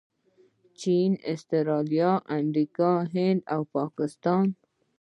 چین، اسټرلیا، امریکا، هند او پاکستان